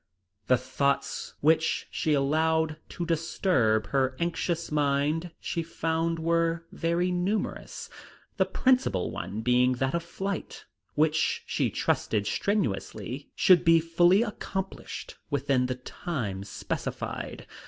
The thoughts which she allowed to disturb her anxious mind she found were very numerous, the principal one being that of flight, which she trusted strenuously should be fully accomplished within the time specified.